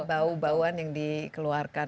bau bauan yang dikeluarkan